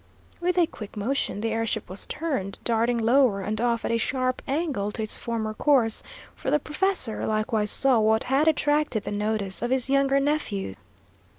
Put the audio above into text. With a quick motion the air ship was turned, darting lower and off at a sharp angle to its former course, for the professor likewise saw what had attracted the notice of his younger nephew.